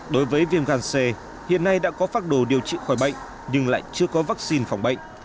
đối với viêm gan c hiện nay đã có phác đồ điều trị khỏi bệnh nhưng lại chưa có vaccine phòng bệnh